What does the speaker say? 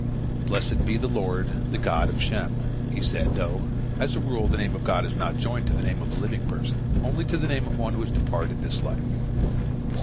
"Blessed be the Lord, the God of Shem," he said, though as a rule the name of God is not joined to the name of a living person, only to the name of one who has departed this life.